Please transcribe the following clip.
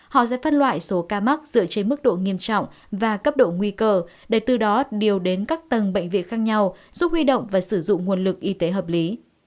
họ sẽ phân loại số ca mắc dựa trên mức độ nghiêm trọng và cấp độ nguy cơ để từ đó điều đến các tầng bệnh viện khác nhau giúp huy động và sử dụng nguồn lực y tế hợp lý